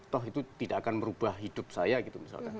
toh itu tidak akan merubah hidup saya gitu misalkan